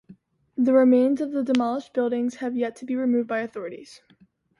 The remains of the demolished buildings have yet to be removed by authorities.